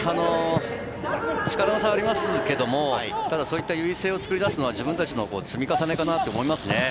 力の差はありますけども、そういった優位性を作り出すのは自分たちの積み重ねかなと思いますね。